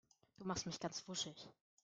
Du machst mich ganz wuschig.